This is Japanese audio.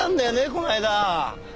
この間。